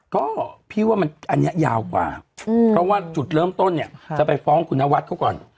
ก็พี่ว่ามันอันนี้ยาวกว่าเพราะว่าจุดเริ่มต้นเนี่ยจะไปฟ้องคุณนวัดเขาก่อน